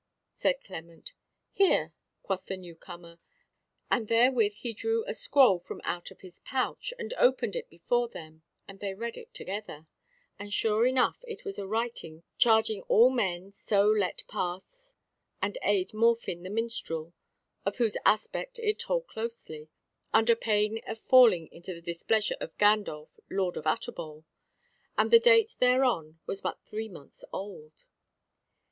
said Clement. "Here," quoth the new comer; and therewith he drew a scroll from out of his pouch, and opened it before them, and they read it together, and sure enough it was a writing charging all men so let pass and aid Morfinn the Minstrel (of whose aspect it told closely), under pain of falling into the displeasure of Gandolf, Lord of Utterbol; and the date thereon was but three months old.